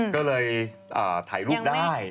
ก็เลยถ่ายรูปได้